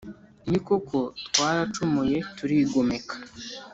Ni koko, twaracumuye turigomeka,